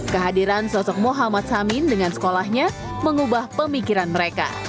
kehadiran sosok muhammad samin dengan sekolahnya mengubah pemikiran mereka